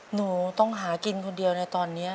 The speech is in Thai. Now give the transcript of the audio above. หนูต้องหากินคนเดียวในตอนนี้